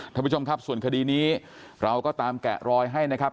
ท่านผู้ชมครับส่วนคดีนี้เราก็ตามแกะรอยให้นะครับ